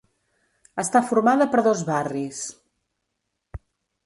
Està formada per dos barris: